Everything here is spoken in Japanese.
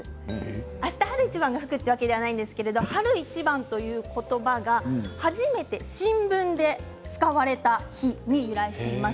あした春一番が吹くというわけではないんですけど春一番という言葉が初めて新聞で使われた日に由来しています。